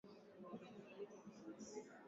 Katiba Mahakama Kuu ya Rufaa Halmashauri ya Nchi